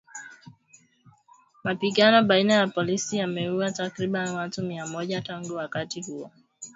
Mapigano baina ya polisi yameuwa takriban watu mia moja tangu wakati huo.